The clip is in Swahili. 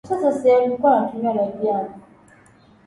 au alama za uakifishaji kama vile kituo na nukta-nusu